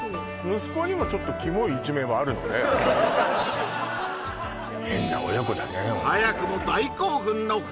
息子にもちょっとキモい一面はあるのね変な親子だね